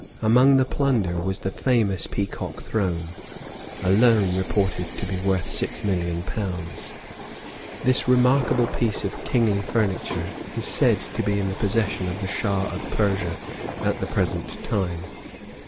Among the plunder was the famous Peacock Throne, alone reputed to be worth six million pounds. This remarkable piece of kingly furniture is said to be in the possession of the Shah of Persia at the present time.